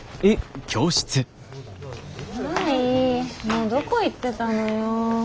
もうどこ行ってたのよ。